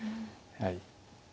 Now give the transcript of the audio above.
はい。